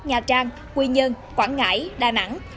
nha trang quy nhơn quảng ngãi đà nẵng